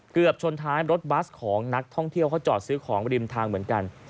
เกือบชนท้ายรถบัสของนักท่องเที่ยวเขาจอดซื้อของริมทางเหมือนกัน